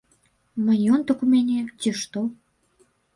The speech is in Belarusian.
Маёнтак у мяне, ці што?